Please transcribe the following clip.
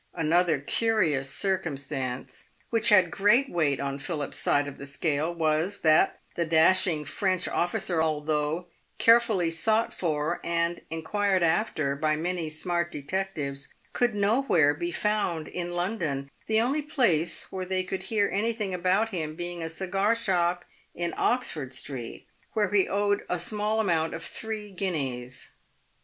(Another curious circumstance which had great weight on Philip's side of the scale was, that the dashing French officer, although care fully sought for and inquired after by many smart detectives, could I nowhere be found in London, the only place where they could hear I anything about him being a cigar shop in Oxford street, where he owed a small account of three guineas.